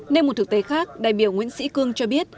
nên một thực tế khác đại biểu nguyễn sĩ cương cho biết